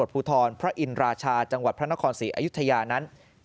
ภูทรพระอินราชาจังหวัดพระนครศรีอายุธยานั้นซึ่งเป็นเจ้าของ